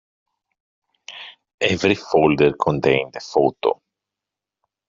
Every folder contained a photo.